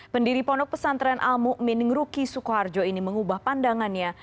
pendiri pondok pesantren almu mining ruki sukoharjo ini mengubah pandangannya